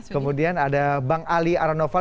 kemudian ada bang ali aranoval